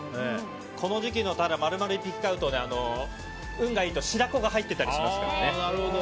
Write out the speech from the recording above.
この時期のタラ丸々１匹買うと運がいいと白子が入ってたりしますからね。